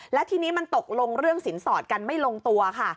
และทีนี้มันตกลงเรื่องสินสอดกันไม่ลงตัวค่ะ